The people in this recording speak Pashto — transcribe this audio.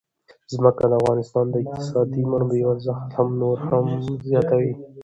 ځمکه د افغانستان د اقتصادي منابعو ارزښت نور هم زیاتوي.